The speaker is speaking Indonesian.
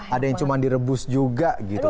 ada yang cuma direbus juga gitu